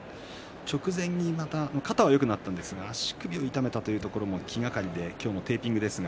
直前に肩はよくなりましたが足首を痛めたいうところが気がかりで今日もテーピングです。